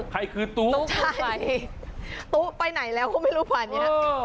ใครคือตู้ตู้คืออะไรตู้ไปไหนแล้วก็ไม่รู้พอเนี่ย